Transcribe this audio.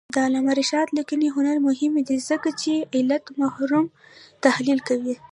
د علامه رشاد لیکنی هنر مهم دی ځکه چې علتمحوره تحلیل کوي.